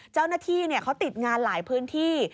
เจ้าหน้าที่เขาติดงานหลายพื้นที่